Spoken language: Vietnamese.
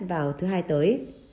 vào thứ hai tới